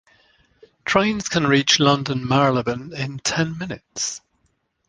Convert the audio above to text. Trains can reach London Marylebone in ten minutes.